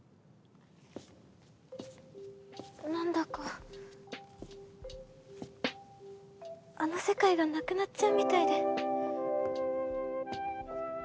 なんだかあの世界がなくなっちゃうみたいで。